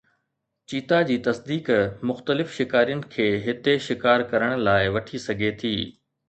چيتا جي تصديق مختلف شڪارين کي هتي شڪار ڪرڻ لاءِ وٺي سگهي ٿي